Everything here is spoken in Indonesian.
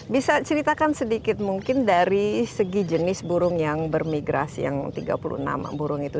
bisa ceritakan sedikit mungkin dari segi jenis burung yang bermigrasi yang tiga puluh enam burung itu